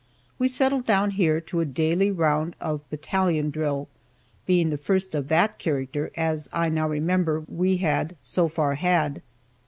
We settled down here to a daily round of battalion drill, being the first of that character, as I now remember, we had so far had.